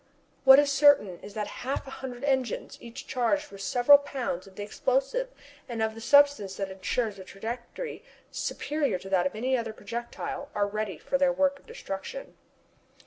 What is certain is that half a hundred engines, each charged with several pounds of the explosive and of the substance that ensures a trajectory superior to that of any other projectile, are ready for their work of destruction.